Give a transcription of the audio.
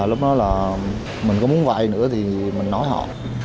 lúc đó là mình cũng muốn vay nữa thì mình nói họ